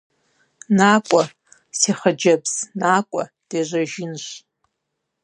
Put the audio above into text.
НакӀуэ, си хъыджэбз, накӀуэ, дежьэжынщ.